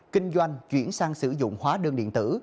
kinh doanh chuyển sang sử dụng hóa đơn điện tử